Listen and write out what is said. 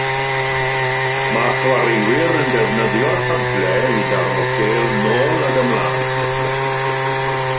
Mae chwaraewyr yn defnyddio'r padlau i daro pêl yn ôl ac ymlaen.